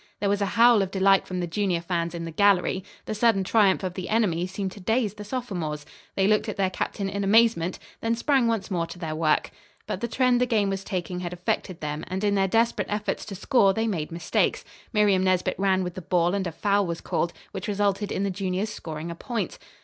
There was a howl of delight from the junior fans in the gallery. The sudden triumph of the enemy seemed to daze the sophomores. They looked at their captain in amazement, then sprang once more to their work. But the trend the game was taking had affected them, and in their desperate efforts to score they made mistakes. Miriam Nesbit ran with the ball and a foul was called, which resulted in the juniors scoring a point.